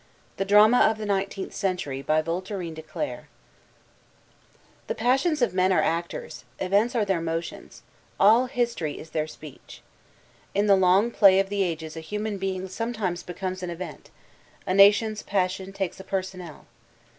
The Drama of the Nineteenth Century ' I AHE passions of men are actors, events are their \ motionSi all history b their speech. In the long play of the ages a human being sometimes be comes an event; a nation's passion takes a personnel.